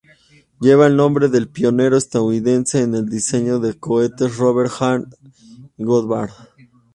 Lleva el nombre del pionero estadounidense en el diseño de cohetes Robert H. Goddard.